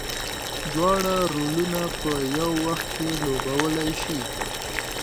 دواړه رولونه په یو وخت لوبولی شي.